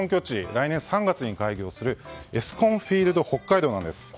来年３月に開業するエスコンフィールドＨＯＫＫＡＩＤＯなんです。